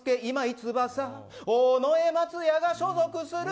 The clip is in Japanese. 翼、尾上松也が所属する。